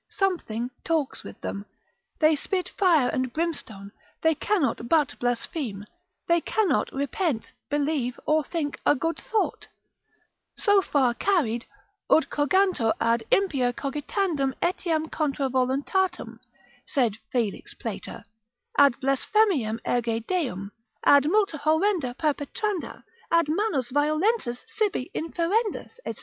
Something talks with them, they spit fire and brimstone, they cannot but blaspheme, they cannot repent, believe or think a good thought, so far carried; ut cogantur ad impia cogitandum etiam contra voluntatem, said Felix Plater, ad blasphemiam erga deum, ad multa horrenda perpetranda, ad manus violentas sibi inferendas, &c.